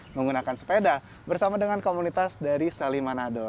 menggunakan sepeda bersama dengan komunitas dari selimanado